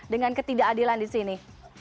dengan ketidakadilan di sini